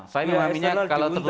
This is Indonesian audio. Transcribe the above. saya memahaminya kalau tertutup